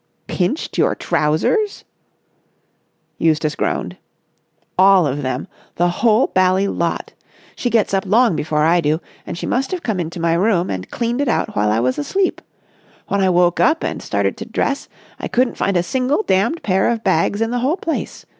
"Pinched your trousers!" Eustace groaned. "All of them! The whole bally lot! She gets up long before I do, and she must have come into my room and cleaned it out while I was asleep. When I woke up and started to dress, I couldn't find a single damned pair of bags in the whole place.